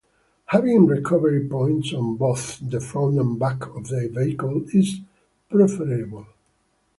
Having recovery points on both the front and back of the vehicle is preferable.